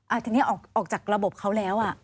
ทีนี้ออกจากระบบเขาแล้วอ่ะ